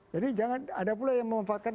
jadi jangan ada pula yang memanfaatkan